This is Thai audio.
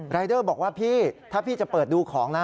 รายเดอร์บอกว่าพี่ถ้าพี่จะเปิดดูของนะ